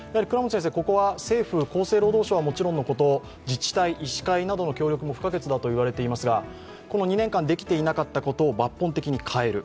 ここは政府、厚労省はもちろんのこと、自治体、医師会の協力も不可欠だと言われていますがこの２年間、できていなかったことを抜本的に変える。